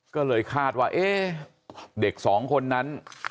ก็เลยคาดว่าเอ๊ะเด็กสองคนนั้น